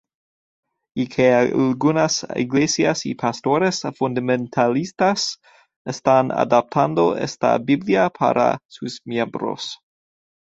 Y que algunas iglesias y pastores fundamentalistas están adoptando esta Biblia para sus miembros.